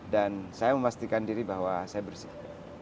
dan saya memastikan diri bahwa saya bersih